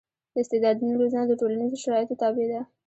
د استعدادونو روزنه د ټولنیزو شرایطو تابع ده.